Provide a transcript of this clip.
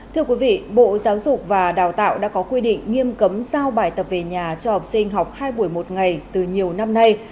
thưa quý vị bộ giáo dục và đào tạo đã có quy định nghiêm cấm giao bài tập về nhà cho học sinh học hai buổi một ngày từ nhiều năm nay